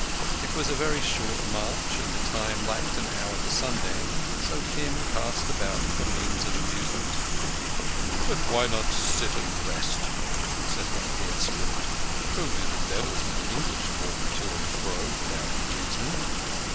It was a very short march, and time lacked an hour to sundown, so Kim cast about for means of amusement. "But why not sit and rest?" said one of the escort. "Only the devils and the English walk to and fro without reason."